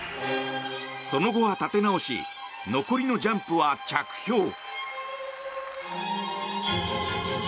その後は立て直し残りのジャンプは着氷。